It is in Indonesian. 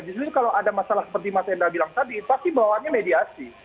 justru kalau ada masalah seperti mas hendra bilang tadi pasti bawaannya mediasi